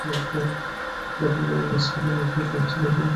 প্রথমে এই আশ্রমের নাম ছিল সবিতা মিশন আশ্রম।